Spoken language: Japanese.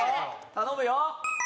頼むよ！